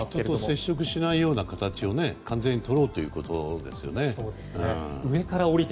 人と接触しないような形を完全にとろうということですね。